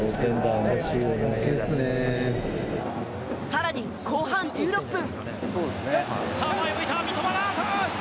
更に後半１６分。